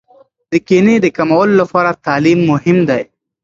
د کینې د کمولو لپاره تعلیم مهم دی.